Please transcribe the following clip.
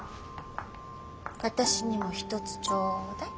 私にも一つちょうだい。